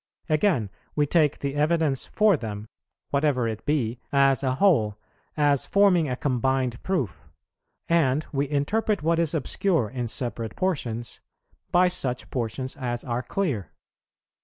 Again, we take the evidence for them, whatever it be, as a whole, as forming a combined proof; and we interpret what is obscure in separate portions by such portions as are clear.